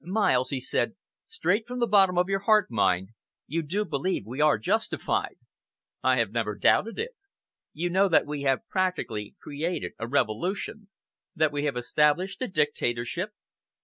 "Miles," he said, "straight from the bottom of your heart, mind you do believe we are justified?" "I have never doubted it." "You know that we have practically created a revolution that we have established a dictatorship?